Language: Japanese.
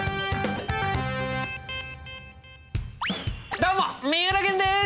どうも三浦玄です！